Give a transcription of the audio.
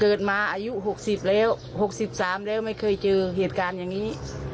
เกิดมาอายุหกสิบแล้วหกสิบสามแล้วไม่เคยเจอเหตุการณ์อย่างนี้